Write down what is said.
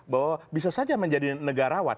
bahwa bisa saja menjadi negarawan